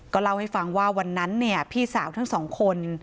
เล่าให้ฟังว่าวันนั้นเนี่ยพี่สาวทั้งสองคน